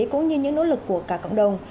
cũng như những nỗ lực của cả cộng đồng